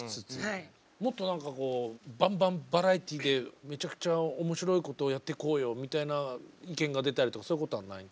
もっと何かこうバンバンバラエティーでめちゃくちゃ面白いことをやってこうよみたいな意見が出たりとかそういうことはないの？